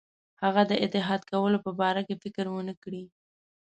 هغه د اتحاد کولو په باره کې فکر ونه کړي.